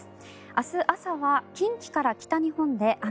明日朝は近畿から北日本で雨。